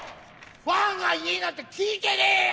ファンがいねえなんて聞いてねえよ！